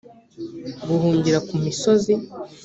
guhungira ku misozi